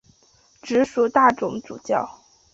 直属大总主教。